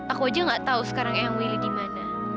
aku aja nggak tahu sekarang eyang willy di mana